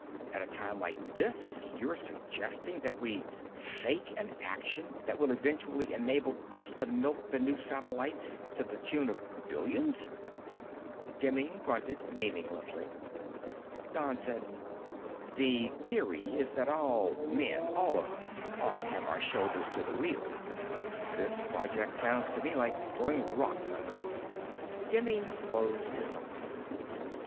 At a time like this you're suggesting that we fake an action that will eventually enable us to milk the new satellites to the tune of billions." Demming grunted meaninglessly. Don said, "The theory is that all men, all of us, ought to have our shoulders to the wheel. This project sounds to me like throwing rocks under it." Demming closed his eyes.